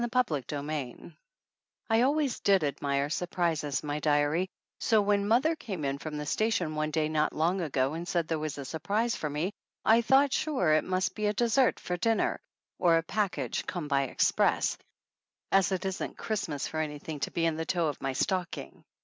CHAPTER III I ALWAYS did admire surprises, my diary, so when mother came in from the station one day not long ago and said there was a surprise for me I thought sure it must be a dessert for dinner, or a package come by ex press, as it isn't Christmas for anything to be in the toe of my stocking.